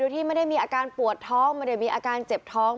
ที่ไม่ได้มีอาการปวดท้องไม่ได้มีอาการเจ็บท้อง